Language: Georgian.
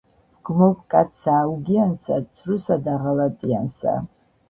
ვჰგმობ კაცსა აუგიანსა, ცრუსა და ღალატიანსა